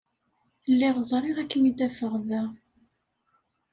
Lliɣ ẓriɣ ad kem-id-afeɣ da.